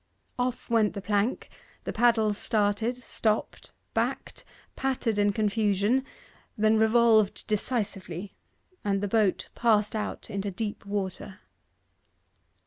Off went the plank; the paddles started, stopped, backed, pattered in confusion, then revolved decisively, and the boat passed out into deep water.